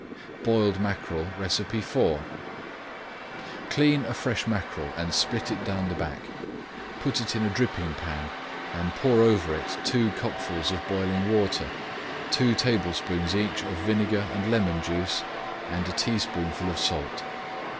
BOILED MACKEREL IV Clean a fresh mackerel and split it down the back. Put it in a dripping pan and pour over it two cupfuls of boiling water, two tablespoonfuls each of vinegar and lemon juice, and a teaspoonful of salt.